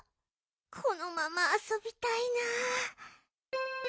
このままあそびたいな。